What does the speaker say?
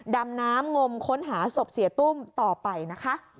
ดำน้ำงมค้นหาศพเสียตุ้มต่อไปนะคะ